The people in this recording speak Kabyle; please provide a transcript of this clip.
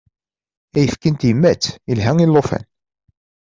Ayefki n tyemmat ilha i llufan.